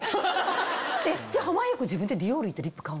えっじゃ濱家君自分でディオール行ってリップ買うの？